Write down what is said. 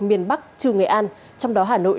miền bắc trừ nghệ an trong đó hà nội